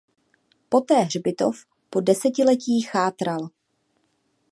Poté hřbitov po desetiletí chátral.